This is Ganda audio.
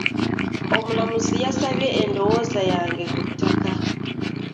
Omulamuzi yasabye ondowooza yange ku ttaka.